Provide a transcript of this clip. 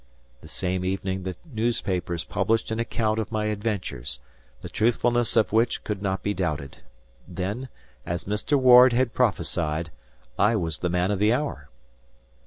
The same evening the newspapers published an account of my adventures, the truthfulness of which could not be doubted. Then, as Mr. Ward had prophesied, I was the man of the hour.